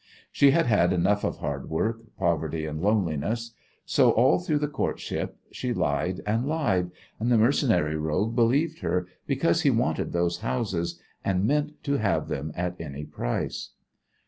She had had enough of hard work, poverty and loneliness. So all through the courtship she lied and lied, and the mercenary rogue believed her because he wanted those houses and meant to have them at any price.